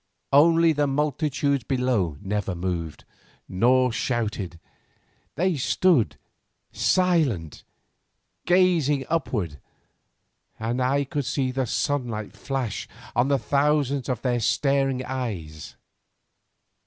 Only the multitudes below never moved, nor shouted. They stood silent gazing upward, and I could see the sunlight flash on the thousands of their staring eyes.